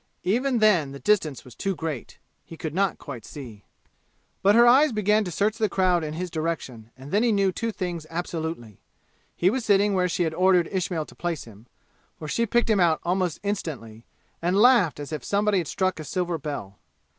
Even then the distance was too great. He could not quite see. But her eyes began to search the crowd in his direction, and then he knew two things absolutely. He was sitting where she had ordered Ismail to place him; for she picked him out almost instantly, and laughed as if somebody had struck a silver bell.